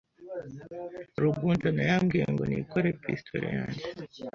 Rugundana yambwiye ngo nikore pistolet yanjye.